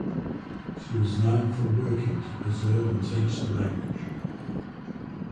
She was known for working to preserve and teach the language.